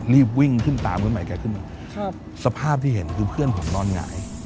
รีบวิ่งขึ้นตามขึ้นใหม่แกขึ้นมาสภาพที่เห็นคือเพื่อนผมนอนหงาย